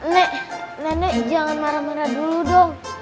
nek nenek jangan marah marah dulu dong